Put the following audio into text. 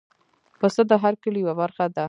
پسه د هر کلي یو برخه ده.